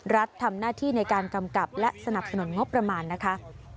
รัฐทำหน้าที่ในการกำกับและสนับสนุนงบประมาณนะคะ